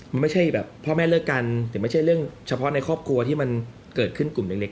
มันไม่ใช่แบบพ่อแม่เลิกกันแต่ไม่ใช่เรื่องเฉพาะในครอบครัวที่มันเกิดขึ้นกลุ่มเล็ก